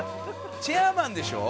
チェアマンでしょ？